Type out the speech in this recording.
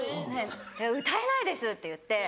「歌えないです」って言って。